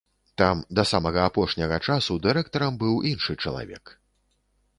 Там да самага апошняга часу дырэктарам быў іншы чалавек.